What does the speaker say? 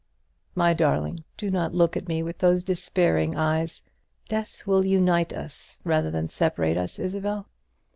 My darling, do not look at me with those despairing eyes; death will unite us rather than separate us, Isabel.